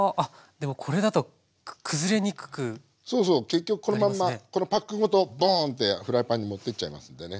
結局このまんまこのパックごとボーンってフライパンに持ってっちゃいますんでね。